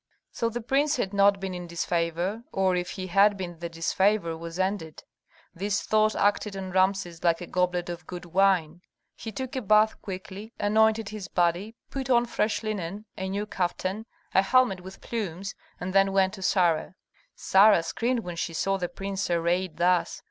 So the prince had not been in disfavor, or if he had been the disfavor was ended. This thought acted on Rameses like a goblet of good wine. He took a bath quickly, anointed his body, put on fresh linen, a new kaftan, a helmet with plumes, and then went to Sarah. Sarah screamed when she saw the prince arrayed thus.